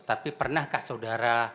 tapi pernahkah saudara